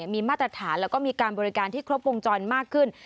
มีมาตรฐานแล้วก็มีการบริการที่ครบวงจรมากขึ้น